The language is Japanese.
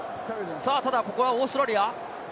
ただここはオーストラリア。